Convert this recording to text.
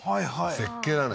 絶景だね